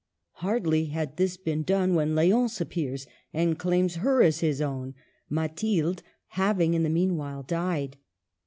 Barely has this been done when L6once appears and claims her as his own, Mathilde having in the meanwhile died.